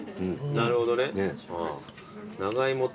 なるほどね。